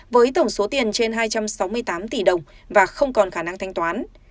với tổng số tiền trên hai trăm sáu mươi tám tỷ đồng và không còn khả năng thanh toán